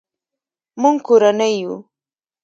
مونږ کورنۍ یو